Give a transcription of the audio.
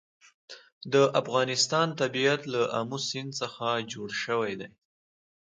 د افغانستان طبیعت له آمو سیند څخه جوړ شوی دی.